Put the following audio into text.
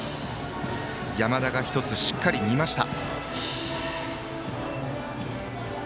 山田が１つ、しっかり見ました。